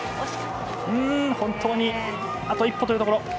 本当にあと一歩というところ。